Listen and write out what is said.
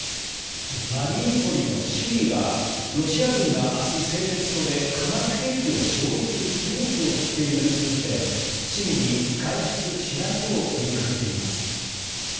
マリウポリの市議がロシア軍が明日、製鉄所で化学兵器を使用する準備をしているとして市民に外出しないよう呼びかけています。